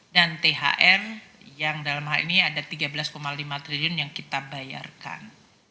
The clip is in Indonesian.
dan thr yang dalam hal ini ada tiga belas lima triliun yang kita bayarkan